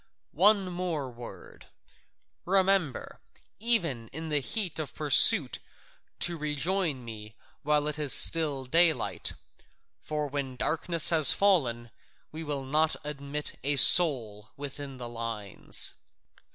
One more word remember, even in the heat of pursuit to rejoin me while it is still daylight, for when darkness has fallen we will not admit a soul within the lines."